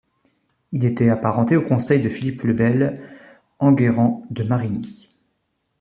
Il était apparenté au conseiller de Philippe le Bel Enguerrand de Marigny.